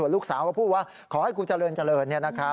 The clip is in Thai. ลูกสาวก็พูดว่าขอให้กูเจริญเจริญ